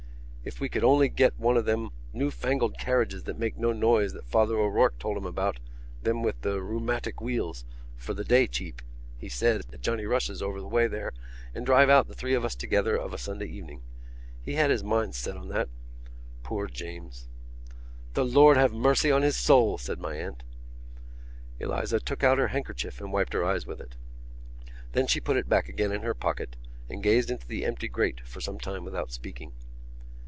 If we could only get one of them new fangled carriages that makes no noise that Father O'Rourke told him about, them with the rheumatic wheels, for the day cheap—he said, at Johnny Rush's over the way there and drive out the three of us together of a Sunday evening. He had his mind set on that.... Poor James!" "The Lord have mercy on his soul!" said my aunt. Eliza took out her handkerchief and wiped her eyes with it. Then she put it back again in her pocket and gazed into the empty grate for some time without speaking.